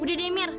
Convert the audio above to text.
udah deh mir